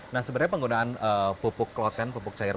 nah sebenarnya penggunaan popok kloten popok cairan